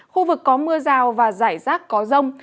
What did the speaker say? khu vực có mưa rào và rải rác có rông